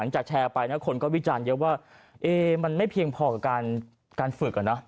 จากแชร์ไปนะคนก็วิจันเยอะว่าเอ๊ะมันไม่เพียงพอกับการฝึกอะนะ